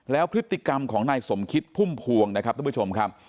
แล้วพฤติกรรมของนายสมคิดพุ่มพวงนะครับทุกผู้ชมครับ